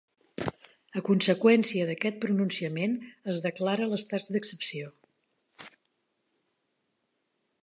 A conseqüència d'aquest pronunciament es declara l'estat d'excepció.